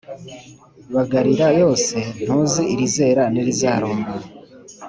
Bagarira yose ntuzi irizera n'irizarumba.